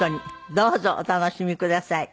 どうぞお楽しみください。